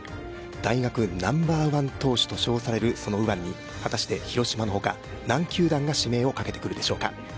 大学ナンバーワン投手と称されるその右腕に広島のほか、何球団が指名をかけてくるでしょうか。